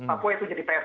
papua itu jadi prp